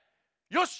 よし！